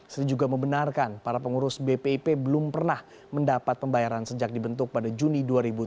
sri juga membenarkan para pengurus bpip belum pernah mendapat pembayaran sejak dibentuk pada juni dua ribu tujuh belas